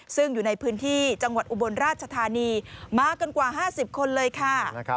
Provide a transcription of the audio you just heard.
ซึ่งอยู่ในพื้นที่จังหวัดอุบลราชธานีมากันกว่า๕๐คนเลยค่ะ